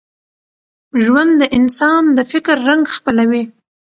ژوند د انسان د فکر رنګ خپلوي.